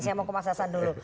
saya mau ke mas hasan dulu